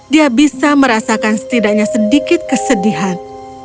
dia bisa merasakan setidaknya sedikit kesedihan